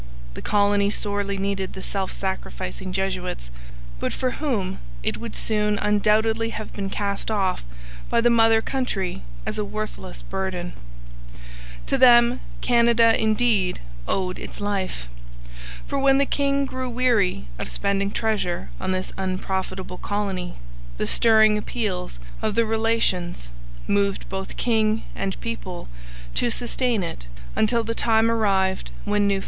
The colony sorely needed the self sacrificing Jesuits, but for whom it would soon undoubtedly have been cast off by the mother country as a worthless burden. To them Canada, indeed, owed its life; for when the king grew weary of spending treasure on this unprofitable colony, the stirring appeals of the Relations [Footnote: It was a rule of the Society of Jesus that each of its missionaries should write a report of his work.